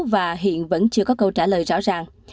và hiện vẫn chưa có câu trả lời rõ ràng